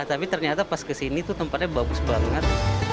tapi ternyata pas ke sini tuh tempatnya bagus banget